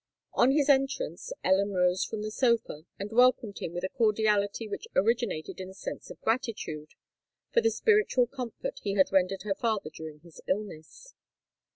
On his entrance, Ellen rose from the sofa, and welcomed him with a cordiality which originated in a sense of gratitude for the spiritual comfort he had rendered her father during his illness.